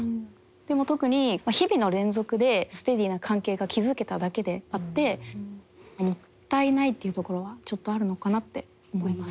でも特に日々の連続でステディーな関係が築けただけであってもったいないっていうところはちょっとあるのかなって思います。